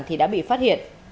thì đã bị phát hiện